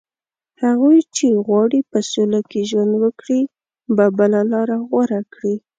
هغوی چې غواړي په سوله کې ژوند وکړي، به بله لاره غوره کړي